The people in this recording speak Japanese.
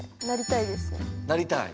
なりたいです。